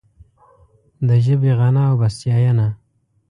د ژبې غنا او بسیاینه